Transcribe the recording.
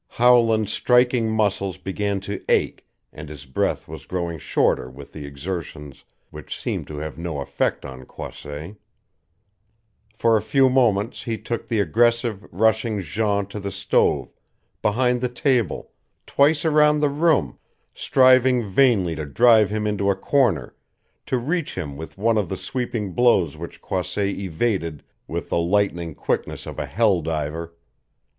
Howland's striking muscles began to ache and his breath was growing shorter with the exertions which seemed to have no effect on Croisset. For a few moments he took the aggressive, rushing Jean to the stove, behind the table, twice around the room striving vainly to drive him into a corner, to reach him with one of the sweeping blows which Croisset evaded with the lightning quickness of a hell diver.